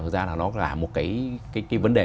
thực ra là nó là một cái vấn đề